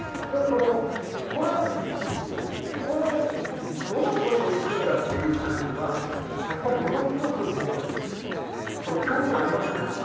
でもその声どの声でいくんだっていう感じはやっぱりものすごく僕恐怖感ありますよね。